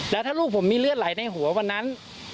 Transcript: แล้วถ้าลูกผมมีเลือดไหลในหัววันนั้น